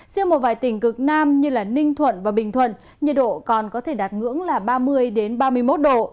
riêng một vài tỉnh cực nam như ninh thuận và bình thuận nhiệt độ còn có thể đạt ngưỡng là ba mươi ba mươi một độ